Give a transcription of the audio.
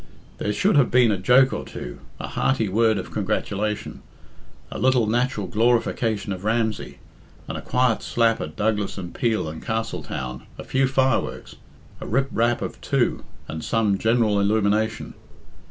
There should have been a joke or two, a hearty word of congratulation, a little natural glorification of Ramsey, and a quiet slap at Douglas and Peel and Castletown, a few fireworks, a rip rap or two, and some general illumination.